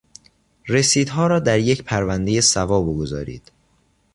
رسیدها را در یک پروندهی سوا بگذارید.